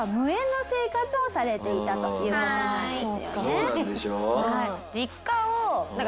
そうなんでしょ？